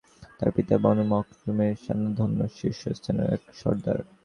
তাঁর পিতা বনু মাখযুমের স্বনামধন্য শীর্ষস্থানীয় এক সর্দার।